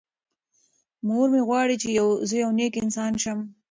مور مې غواړي چې زه یو نېک انسان شم.